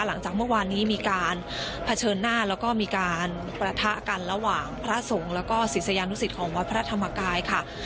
หลังจากเมื่อวานนี้มีการเผชิญหน้าแล้วก็มีการประทะกันระหว่างพระสงฆ์แล้วก็ศิษยานุสิตของวัดพระธรรมกายค่ะ